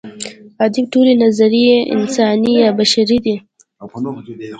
ادب ټولې نظریې انساني یا بشري دي.